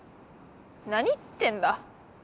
なに言ってんだ？